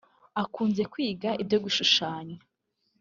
Akunze kwiga ibyo gushushanya